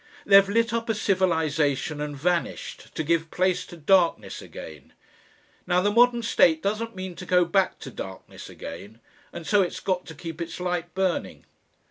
"They've lit up a civilisation and vanished, to give place to darkness again. Now the modern state doesn't mean to go back to darkness again and so it's got to keep its light burning."